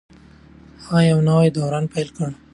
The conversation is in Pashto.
هغه یو نوی دوران پیل کړ.